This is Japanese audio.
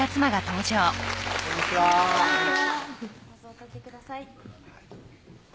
どうぞおかけください